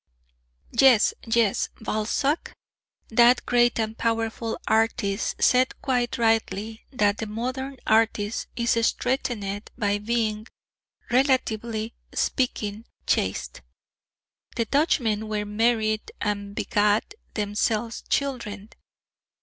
Yes, yes, Balzac, that great and powerful artist, said quite rightly that the modern artist is strengthened by being, relatively speaking, chaste. The Dutchmen were married and begat themselves children.